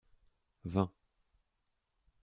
Vingt.